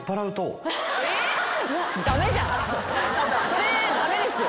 それ駄目ですよ。